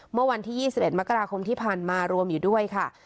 เมื่อวันที่๒๑มกราคมที่ผ่านมารวมอยู่ด้วยค่ะ